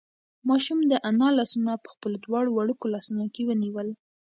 ماشوم د انا لاسونه په خپلو دواړو وړوکو لاسونو کې ونیول.